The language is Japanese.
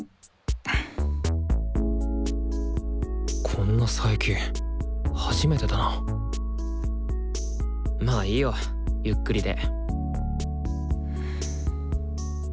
こんな佐伯初めてだなまあいいよゆっくりで。